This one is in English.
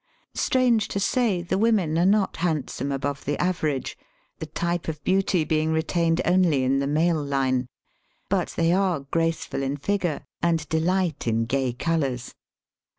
Strange to say, the women are not handsome above the average, the type of beauty being retained only in the male line; but they ai?e graceful in figure, tind delight in gay colours.